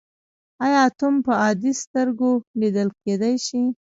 ایا اتوم په عادي سترګو لیدل کیدی شي.